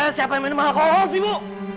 siapa yang minum alkohol sih ibu